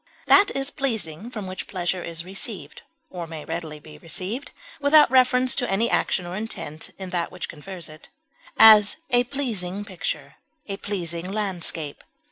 That is pleasing from which pleasure is received, or may readily be received, without reference to any action or intent in that which confers it; as, a pleasing picture; a pleasing landscape.